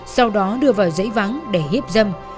sau đó đưa vào giấy vắng để hiếp dâm